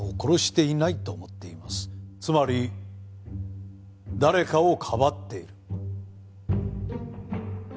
つまり誰かをかばっている。